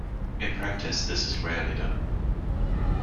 In practice, this is rarely done.